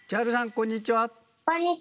こんにちは。